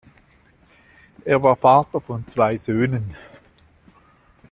Er war Vater von zwei Söhnen.